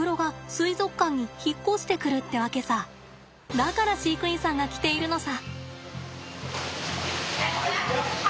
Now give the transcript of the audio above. だから飼育員さんが来ているのさ。